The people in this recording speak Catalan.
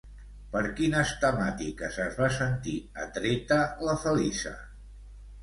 Per quines temàtiques es va sentir atreta la Felisa?